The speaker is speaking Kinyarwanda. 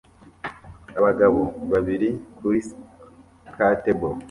Abagabo babiri kuri skatebo